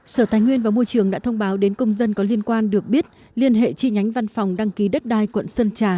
sở tài nguyên và môi trường đã thông báo đến công dân có liên quan được biết liên hệ chi nhánh văn phòng đăng ký đất đai quận sơn trà